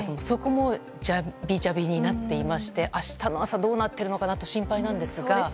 そこもじゃびじゃびになっていまして明日の朝どうなっているのかなと心配なのですが。